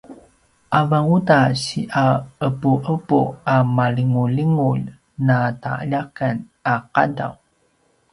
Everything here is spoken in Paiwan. avan uta si aqepuqepu a malingulingulj na taljakan a qadaw